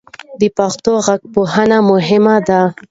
د پښتو غږپوهنه مهمه ده.